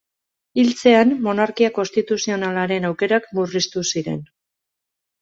Hiltzean, monarkia konstituzionalaren aukerak murriztu ziren.